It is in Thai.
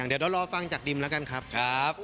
เรารอฟังจากดิมแล้วกันครับ